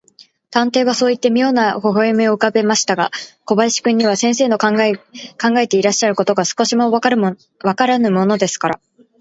探偵はそういって、みょうな微笑をうかべましたが、小林君には、先生の考えていらっしゃることが、少しもわからぬものですから、